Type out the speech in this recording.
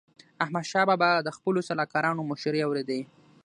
احمدشاه بابا د خپلو سلاکارانو مشوري اوريدي.